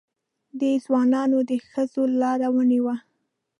دې ځوانانو د ښځو لاره ونیوه.